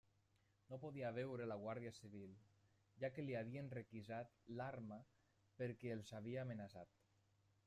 No podia veure la guàrdia civil, ja que li havien requisat l'arma perquè els havia amenaçat.